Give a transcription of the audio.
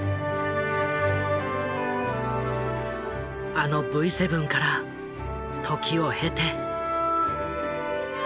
あのＶ７から時を経て。